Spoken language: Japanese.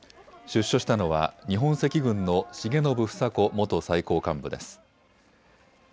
出所したのは日本赤軍の重信房子元最高幹部です。